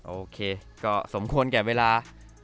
โอเคก็สมควรแก่เวลา